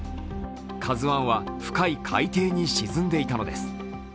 「ＫＡＺＵⅠ」は深い海底に沈んでいたのです。